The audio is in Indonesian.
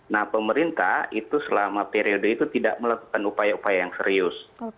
nah pemerintah itu selama periode itu tidak melakukan upaya upaya yang serius